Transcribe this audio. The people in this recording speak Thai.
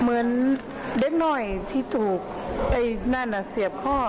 เหมือนเด็กหน่อยที่ถูกไอ้นั่นเสียบข้อ